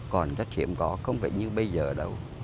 còn rất hiếm có không phải như bây giờ đâu